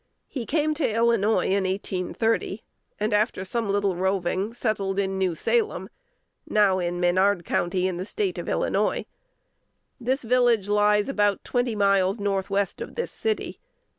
He came to Illinois in 1830, and, after some little roving, settled in New Salem, now in Menard County and State of Illinois. This village lies about twenty miles north west of this city.